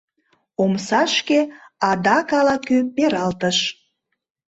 Омсашке адак ала-кӧ пералтыш.